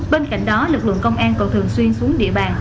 bên cạnh đó lực lượng công an còn thường xuyên xuống địa bàn